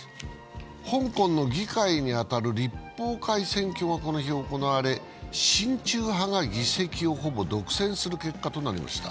香港の議会に当たる立法会選挙がこの日行われ親中派が議席をほぼ独占する結果となりました。